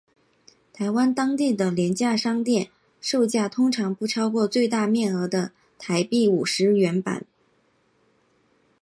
台湾当地的廉价商店售价通常不超过最大面额的台币五十元铜板。